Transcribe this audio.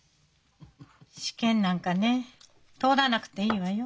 試験なんかね通らなくていいわよ。